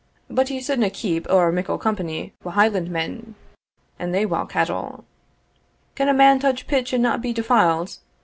But ye suldna keep ower muckle company wi' Hielandmen and thae wild cattle. Can a man touch pitch and no be defiled?